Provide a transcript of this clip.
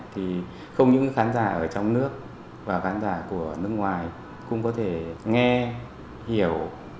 thì không những khán giả ở trong nước và khán giả của nước ngoài cũng có thể nghe hiểu